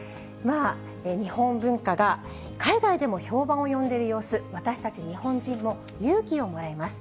日本文化が海外でも評判を呼んでる様子、私たち日本人も勇気をもらえます。